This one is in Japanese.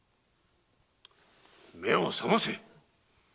目を覚ませ！